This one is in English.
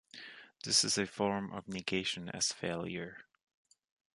This is a form of negation as failure.